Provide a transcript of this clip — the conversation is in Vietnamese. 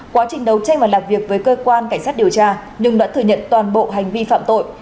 quá trình đấu tranh và làm việc với cơ quan cảnh sát điều tra nhung đã thừa nhận toàn bộ hành vi phạm tội